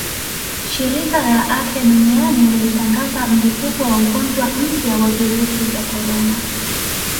Shirika la Afya Duniani lilitangaza mlipuko wa ugonjwa mpya wa virusi vya korona